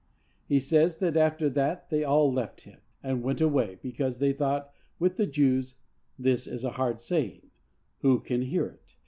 He says that after that they all left him, and went away, because they thought, with the Jews, "This is a hard saying; who can hear it?"